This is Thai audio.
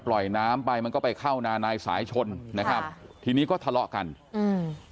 ปล่อยน้ำไปมันก็ไปเข้านานายสายชนนะครับทีนี้ก็ทะเลาะกันอืม